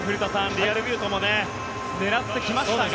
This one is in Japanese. リアルミュートも狙ってきましたが。